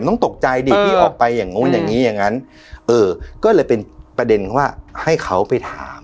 ต้องตกใจดิพี่ออกไปอย่างนู้นอย่างนี้อย่างนั้นเออก็เลยเป็นประเด็นว่าให้เขาไปถาม